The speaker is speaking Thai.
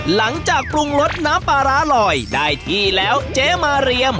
หลังจากปรุงรสน้ำปลาร้าลอยได้ที่แล้วเจ๊มาเรียม